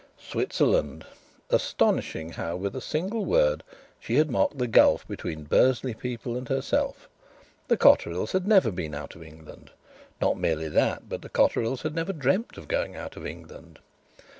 Switzerland! Astonishing how with a single word she had marked the gulf between Bursley people and herself. The Cotterills had never been out of England. Not merely that, but the Cotterills had never dreamt of going out of England.